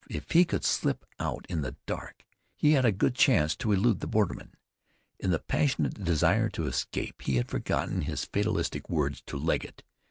If he could slip out in the dark he had a good chance to elude the borderman. In the passionate desire to escape, he had forgotten his fatalistic words to Legget.